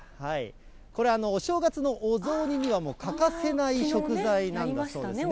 これ、お正月のお雑煮にはもう欠かせない食材なんだそうですね。